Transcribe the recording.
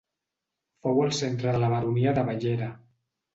Fou el centre de la baronia de Bellera.